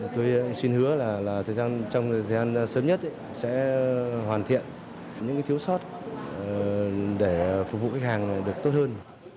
tôi xin hứa là thời gian trong thời gian sớm nhất sẽ hoàn thiện những thiếu sót để phục vụ khách hàng được tốt hơn